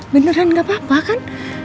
beneran gapapa kan